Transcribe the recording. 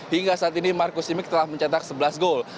hingga saat ini marcus simic telah mencetak sebelas gol